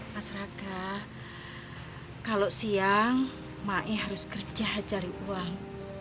mas raka kalau siang mae harus kerja cari uang